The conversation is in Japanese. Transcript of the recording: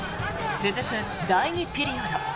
続く第２ピリオド。